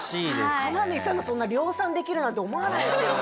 天海さんがそんな量産できるなんて思わないですけどね。